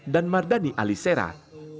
dan mardani ali serat